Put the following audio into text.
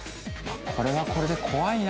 これはこれで怖いな。